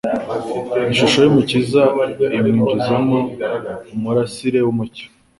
ishusho y'Umukiza imwinjizamo umurasire w'umucyo.